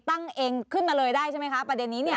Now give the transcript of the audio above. ตั้งเองขึ้นมาเลยได้ใช่ไหมคะประเด็นนี้เนี่ย